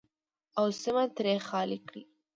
او سیمه ترې خالي کړي.